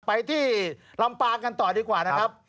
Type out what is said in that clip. ไปที่ลำปางกันต่อดีกว่านะครับ